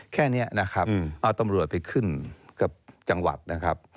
แค่นี้นะครับเอาตำรวจไปขึ้นกับจังหวัดนะครับ